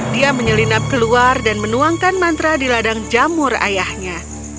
dia menyelinap keluar dan menuangkan mantra di ladang jamur ayahnya